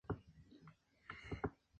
Producen la publicación llamada Bandera Roja.